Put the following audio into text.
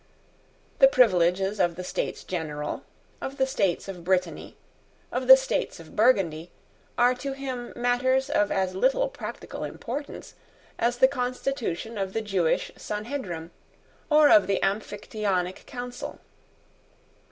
The privileges of the States General, of the States of Britanny, of the States of Burgundy, are to him matters of as little practical importance as the constitution of the Jewish Sanhedrim or of the Amphictyonic Council.